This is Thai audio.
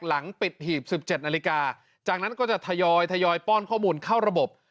หลังปิดหีบ๑๗นาฬิกาจากนั้นก็จะทยอยทยอยป้อนข้อมูลเข้าระบบ